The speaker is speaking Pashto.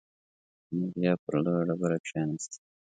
ماريا پر لويه ډبره کېناسته.